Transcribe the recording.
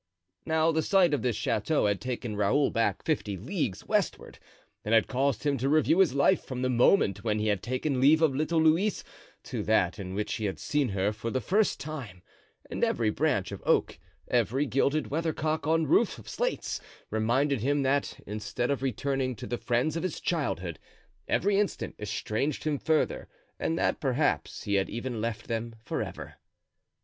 Now the sight of this chateau had taken Raoul back fifty leagues westward and had caused him to review his life from the moment when he had taken leave of little Louise to that in which he had seen her for the first time; and every branch of oak, every gilded weathercock on roof of slates, reminded him that, instead of returning to the friends of his childhood, every instant estranged him further and that perhaps he had even left them forever.